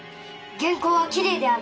原稿はきれいである。